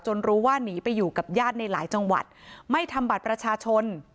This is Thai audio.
รู้ว่าหนีไปอยู่กับญาติในหลายจังหวัดไม่ทำบัตรประชาชน